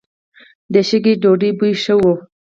د شګې ډوډۍ بوی ښه و.